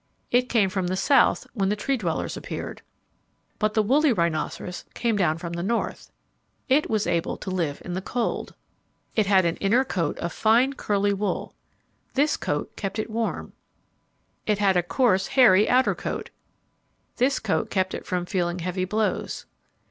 It came from the south when the Tree dwellers appeared. But the woolly rhinoceros came down from the north. It was able to live in the cold. It had an inner coat of fine curly wool. This coat kept it warm. It had a coarse, hairy outer coat. This coat kept it from feeling heavy blows.